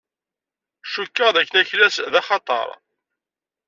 Cukkteɣ dakken aklas d axatar.